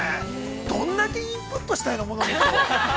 ◆どんだけインプットしたいの物事を。